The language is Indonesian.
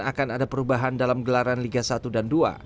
akan ada perubahan dalam gelaran liga satu dan dua